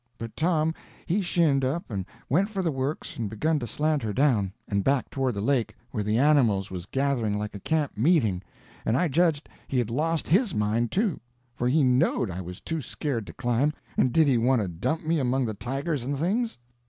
But Tom he shinned up and went for the works and begun to slant her down, and back toward the lake, where the animals was gathering like a camp meeting, and I judged he had lost his head, too; for he knowed I was too scared to climb, and did he want to dump me among the tigers and things?